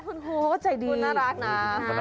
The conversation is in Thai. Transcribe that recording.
คุณน่ารักนะ